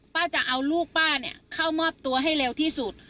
จะเอาลูกป้าเนี่ยเข้ามอบตัวให้เร็วที่สุด